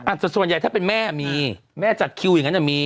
ส่วนใหญ่ถ้าเป็นแม่มีแม่จัดคิวอย่างนั้นอ่ะมี